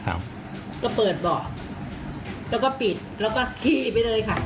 ครับก็เปิดเบาะแล้วก็ปิดแล้วก็ขี่ไปเลยค่ะ